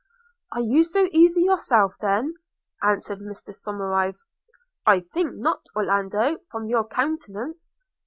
'Are you so easy yourself then?' answered Mr Somerive – 'I think not, Orlando, from your countenance.